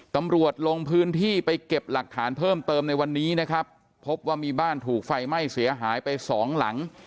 ตำรวจลงพื้นที่ไปเก็บหลักฐานเพิ่มเติมในวันนี้นะครับพบว่ามีบ้านถูกไฟไหม้เสียหายไปสองหลัง